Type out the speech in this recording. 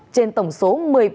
trên tổng số